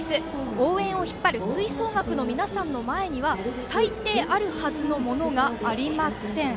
応援を引っ張る吹奏楽の皆さんの前には大抵、あるはずのものがありません。